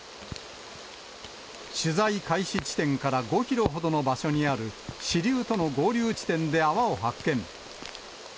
取材開始地点から５キロほどの場所にある、支流との合流地点で泡を発見。